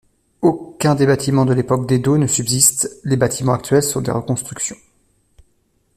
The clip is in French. Aucun des bâtiments de l'époque d'Edo ne subsiste, les bâtiments actuels sont des reconstructions.